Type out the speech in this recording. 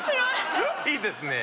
いいですね。